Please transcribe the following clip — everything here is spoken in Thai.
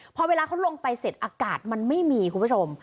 พอเวลาเขาลงไปเสร็จอากาศมันไม่มีคุณผู้ชม